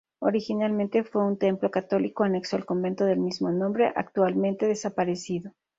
Originalmente fue un templo católico anexo al convento del mismo nombre, actualmente desaparecido.